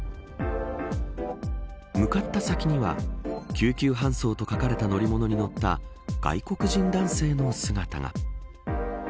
向かった先には救急搬送と書かれた乗り物に乗った外国人男性の姿が。